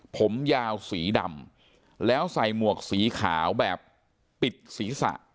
ผมยาวสีดำแล้วใส่หมวกสีขาวแบบปิดศีรษะ